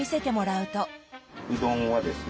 うどんはですね